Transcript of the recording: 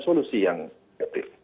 solusi yang efektif